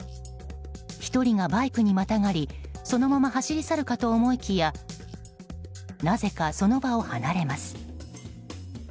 １人がバイクにまたがりそのまま走り去るかと思いきやなぜか、その場を離れます。